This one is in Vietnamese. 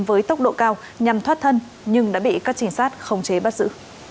với tốc độ cao nhằm thoát thân nhưng đã bị các trinh sát khống chế bắt giữ